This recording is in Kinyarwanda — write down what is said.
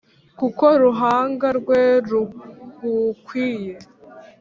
Kuko uruhanga rwe rugukwiye,